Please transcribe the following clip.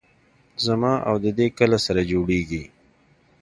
زما او د دې کله سره جوړېږي.